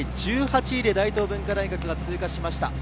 １８位で大東文化大学が通過しました。